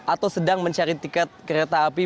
atau sedang mencari tiket kereta api